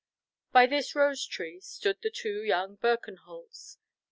By this rose tree stood the two young Birkenholts.